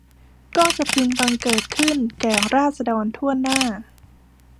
ก็จะพึงบังเกิดขึ้นแก่ราษฎรถ้วนหน้า